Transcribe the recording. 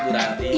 untuk bu ranti